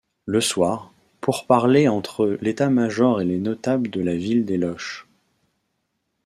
Le soir, pourparlers entre l'état-major et les notables de la ville de Loches.